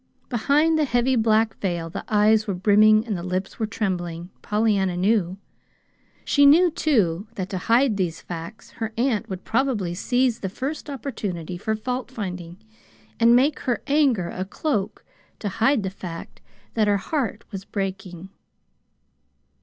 Behind the heavy black veil the eyes were brimming and the lips were trembling, Pollyanna knew. She knew, too, that to hide these facts her aunt would probably seize the first opportunity for faultfinding, and make her anger a cloak to hide the fact that her heart was breaking.